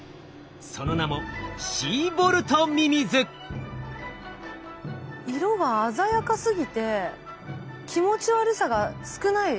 その名も色が鮮やかすぎて気持ち悪さが少ない。